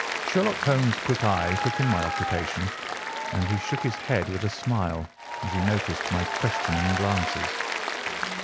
Sherlock Holmes' quick eye took in my occupation, and he shook his head with a smile as he noticed my questioning glances.